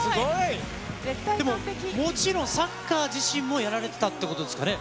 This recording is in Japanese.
でももちろん、サッカーじしんもやられてたってことですかね？